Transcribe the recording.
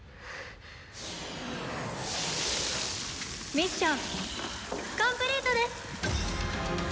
ミッションコンプリートです！